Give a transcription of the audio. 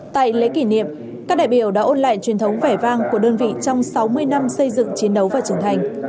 tại lễ kỷ niệm các đại biểu đã ôn lại truyền thống vẻ vang của đơn vị trong sáu mươi năm xây dựng chiến đấu và trưởng thành